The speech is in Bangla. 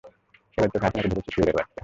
এবার তোকে হাতেনাতে ধরেছি, শুয়োরের বাচ্চা!